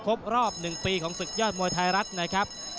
ครบรอบ๑ปีของศึกยอดมวยไทยรัฐนะครับ